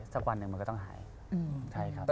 สักวันหนึ่งมันก็ต้องหายใช่ครับ